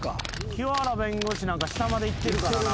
清原弁護士なんか下までいってるからな。